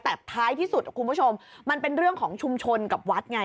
แต่ท้ายที่สุดคุณผู้ชมมันเป็นเรื่องของชุมชนกับวัดไง